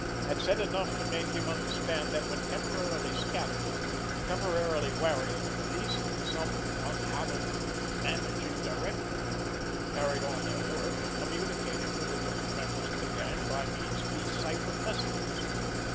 —had said enough to make him understand that, when temporarily scattered, temporarily wary of the police, some unhallowed "managing director" carried on their work, and communicated with the different members of the gang by means of these cipher messages.